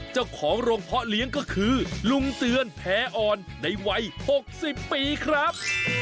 เจ้าของโรงเพาะเลี้ยงก็คือลุงเตือนแผอ่อนในวัย๖๐ปีครับ